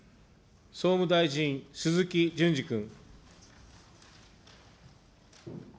総務大臣、鈴木淳司君。